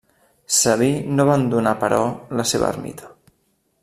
Sabí no abandonà, però, la seva ermita.